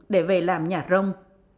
để về làm nhà rông